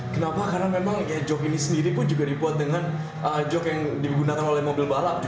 kenapa karena memang joke ini sendiri pun juga dibuat dengan joke yang digunakan oleh mobil balap